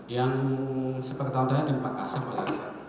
yang saya ketahuan ketahuan di makassar